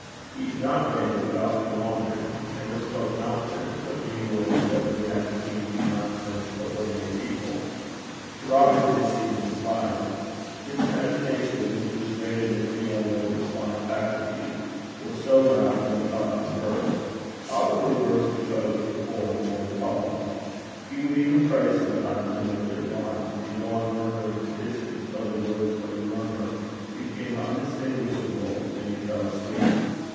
He did not rave, but often wandered; never spoke nonsense, but many words that would have seemed nonsense to ordinary people: to Robert they seemed inspired. His imagination, which was greater than any other of his fine faculties, was so roused that he talked in verse probably verse composed before and now recalled. He would even pray sometimes in measured lines, and go on murmuring petitions, till the words of the murmur became undistinguishable, and he fell asleep.